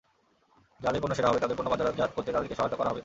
যাদের পণ্য সেরা হবে, তাদের পণ্য বাজারজাত করতে তাদেরকে সহায়তা করা হবে।